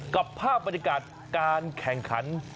กับภาพประดิการการแข่งขัน